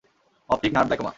Optic nerve glaucoma.